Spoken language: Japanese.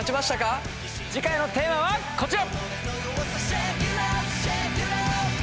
次回のテーマはこちら！